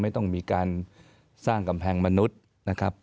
ไม่ต้องมีการสร้างกำแพงมนุษย์นะครับ